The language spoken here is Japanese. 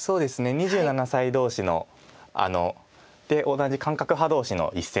２７歳同士ので同じ感覚派同士の一戦です。